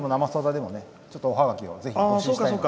でも、おハガキをぜひ募集したいので。